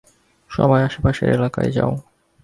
সবাই, আশেপাশের এলাকায় যাও।